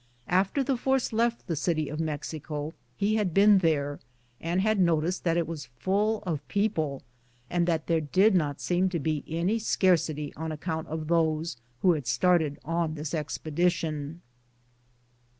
After the force left the City of Mexico, he had been there, and had noticed that it was full of people and that there did not seem to be any scarc ity on account of those who had started on this expedition.